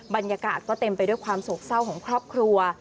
บรรยากาศก็เต็มไปด้วยความโศกเศร้าของครอบครัว